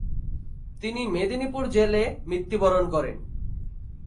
তিনি মেদিনীপুর জেলে মৃত্যুবরণ করেন।